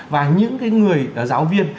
và những cái người giáo viên